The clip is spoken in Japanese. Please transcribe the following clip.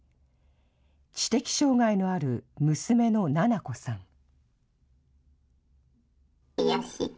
知的障害のある娘の菜々子さん。